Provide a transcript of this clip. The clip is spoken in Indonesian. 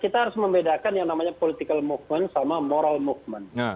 kita harus membedakan yang namanya political movement sama moral movement